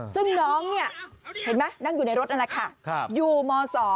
ซึ่งน้องเนี่ยเห็นไหมนั่งอยู่ในรถนั่นแหละค่ะอยู่ม๒